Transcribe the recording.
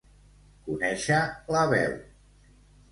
Conèixer la veu.